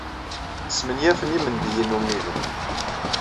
Smenyafen imendiyen ummiden.